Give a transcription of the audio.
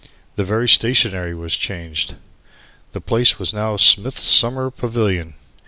The very stationery was changed. The place was now Smith's Summer Pavilion.